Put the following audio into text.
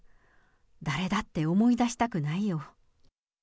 誰だって思い出したくないよ。